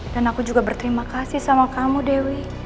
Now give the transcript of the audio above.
dan aku juga berterima kasih sama kamu dewi